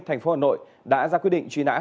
thành phố hà nội đã ra quyết định truy nã